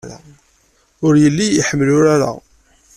Ur yelli iḥemmel urar-a.